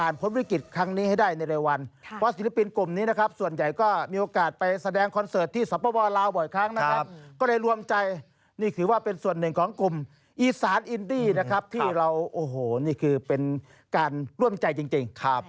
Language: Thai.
นี่คือเป็นการร่วมใจจริงครับ